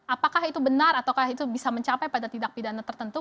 apakah itu benar atau itu bisa mencapai pada tindak pidana tertentu